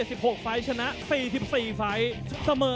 สวัสดีครับทายุรัฐมวยไทยไฟตเตอร์